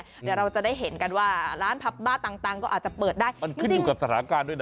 เดี๋ยวเราจะได้เห็นกันว่าร้านผับบ้าต่างต่างก็อาจจะเปิดได้มันขึ้นอยู่กับสถานการณ์ด้วยนะ